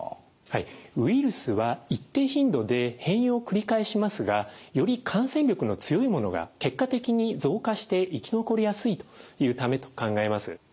はいウイルスは一定頻度で変異を繰り返しますがより感染力の強いものが結果的に増加して生き残りやすいというためと考えます。